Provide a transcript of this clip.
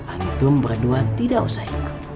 antum berdua tidak usah ikut